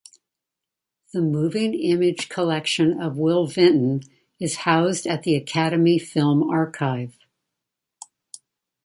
The moving image collection of Will Vinton is housed at the Academy Film Archive.